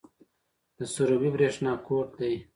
د سروبي بریښنا کوټ دی